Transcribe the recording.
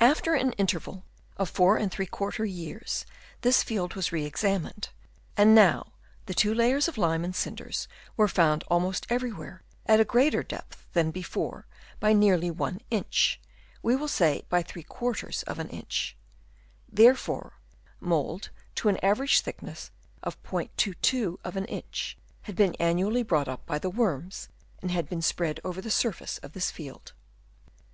After an interval of 4| years this field was re examined, and now the two layers of lime and cinders were found almost everywhere at a greater depth than before by nearly 1 inch, we will say by § of an inch. Therefore mould to an average thickness of *22 of an inch had been annually brought up by the worms, and had been spread over the. surface of this field.